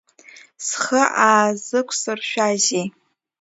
Схы аазықәсыршәазеи!